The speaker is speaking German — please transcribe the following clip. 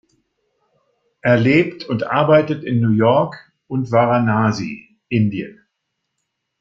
Er lebt und arbeitet in New York und Varanasi, Indien.